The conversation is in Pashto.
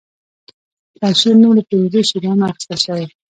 د پنجشیر نوم له پنځو شیرانو اخیستل شوی